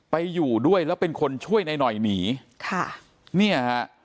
ไปอยู่ด้วยแล้วเป็นคนช่วยนายหน่อยหนีค่ะเนี่ยฮะ